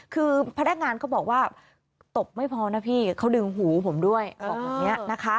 คือพนักงานเขาบอกว่าตบไม่พอนะพี่เขาดึงหูผมด้วยบอกแบบนี้นะคะ